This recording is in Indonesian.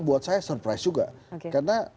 buat saya surprise juga karena